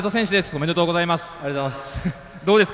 おめでとうございます。